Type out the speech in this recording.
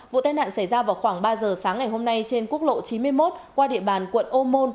vụ tai nạn xảy ra vào khoảng ba giờ sáng ngày hôm nay trên quốc lộ chín mươi một qua địa bàn quận ô môn